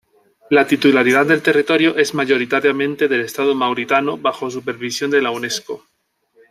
La titularidad del territorio es mayoritariamente del estado mauritano bajo supervisión de la Unesco.